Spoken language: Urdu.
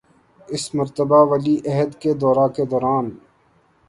اس مرتبہ ولی عہد کے دورہ کے دوران